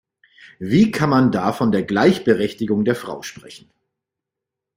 Wie kann man da von der Gleichberechtigung der Frau sprechen?